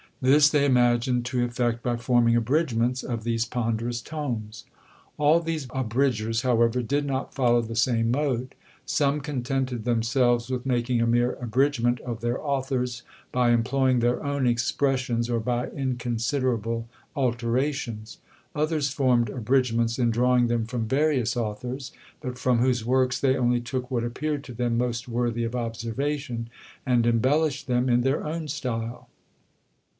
This they imagined to effect by forming abridgments of these ponderous tomes. All these Abridgers, however, did not follow the same mode. Some contented themselves with making a mere abridgment of their authors, by employing their own expressions, or by inconsiderable alterations. Others formed abridgments in drawing them from various authors, but from whose works they only took what appeared to them most worthy of observation, and embellished them in their own style.